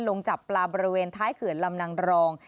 จับปลาบริเวณท้ายเขื่อนลำนางรอง